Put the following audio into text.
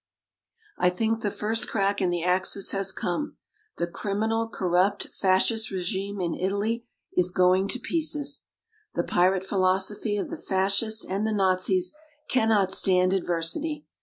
I think the first crack in the Axis has come. The criminal, corrupt Fascist regime in Italy is going to pieces. The pirate philosophy of the Fascists and the Nazis cannot stand adversity.